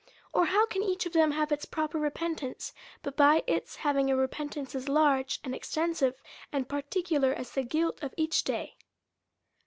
Or how can each of them have its proper repentance, but by its having a repentance as large, and extensive, and particular, as the guilt of each day.